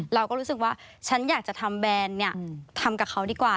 เราก็รู้สึกว่าฉันอยากจะทำแบรนด์เนี่ยทำกับเขาดีกว่า